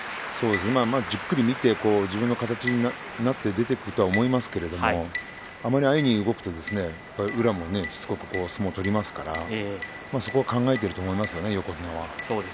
じっくり見て自分の形になって出ていくとは思いますけどあまり安易に動くと宇良もしつこく相撲を取りますからそこは考えていると思いますよ横綱は。